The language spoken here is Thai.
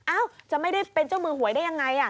จะไม่ได้เป็นเจ้ามือหวยได้ยังไง